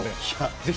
ぜひ。